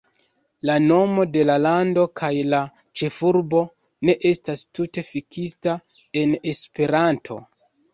La nomo de la lando kaj la ĉefurbo ne estas tute fiksita en Esperanto.